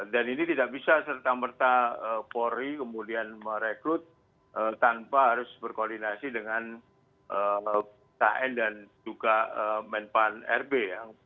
dan ini tidak bisa serta merta kapolri kemudian merekrut tanpa harus berkoordinasi dengan tn dan juga menpan rb ya